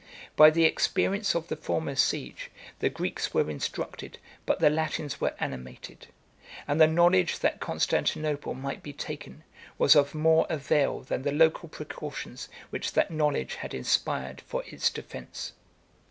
80 By the experience of the former siege, the Greeks were instructed, but the Latins were animated; and the knowledge that Constantinople might be taken, was of more avail than the local precautions which that knowledge had inspired for its defence.